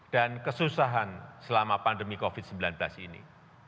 dan kesusahan selama pandemi covid sembilan belas ini